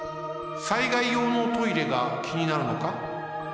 災害用のトイレがきになるのか？